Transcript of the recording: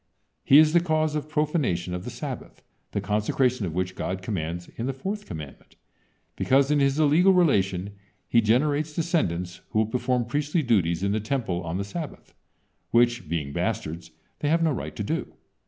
He is the cause of profanation of the Sabbath, the consecration of which God commands in the fourth commandment, because in his illegal relation he generates descendants who will perform priestly duties in the Temple on the Sabbath, which, being bastards, they have no right to do.